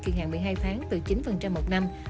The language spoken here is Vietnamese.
kỳ hạn một mươi hai tháng từ chín một năm